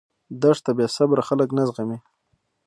دښته بېصبره خلک نه زغمي.